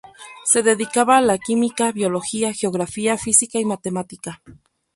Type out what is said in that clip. Se dedicaba a la química, biología, geografía, física y matemática.